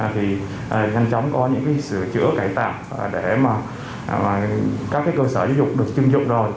thì nhanh chóng có những sửa chữa cải tạo để các cơ sở dục được chứng dụng rồi